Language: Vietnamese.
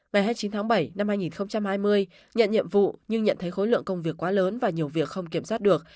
ngày hai mươi chín tháng bảy năm hai nghìn hai mươi nhận nhiệm vụ nhưng nhận thấy khối lượng công việc quá lớn và nhiều việc không kiểm soát được